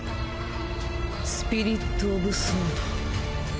スピリットオブソード。